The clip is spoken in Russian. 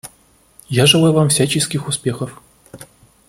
Я желаю вам всяческих успехов.